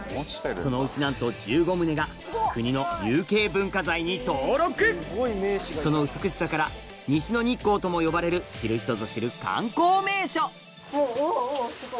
そのうちなんと１５棟が国の有形文化財に登録その美しさから西の日光とも呼ばれる知る人ぞ知る観光名所